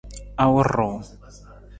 Awur ruu?